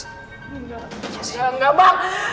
enggak enggak enggak bang